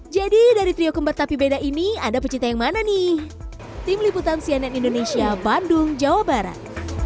jadi dari trio kembar tapi beda ini ada pecinta yang mana nih